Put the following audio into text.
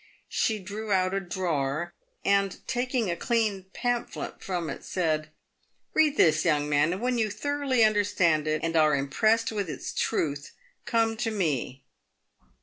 She drew out a drawer, and taking a clean pamphlet from it said, " Bead this, young man, and when you thoroughly understand it, and are impressed with its truth, come to me.